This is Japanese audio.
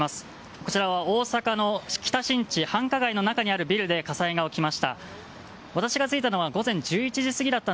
こちら、大阪の北新地繁華街の中にあるビルで火災が起きました。